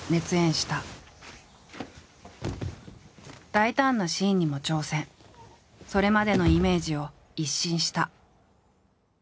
大胆なシーンにも挑戦それまでのイメージを一新した。